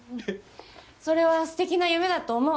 それは素敵な夢だと思う。